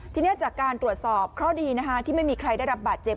ทีนี้จากการตรวจสอบเคราะห์ดีนะคะที่ไม่มีใครได้รับบาดเจ็บ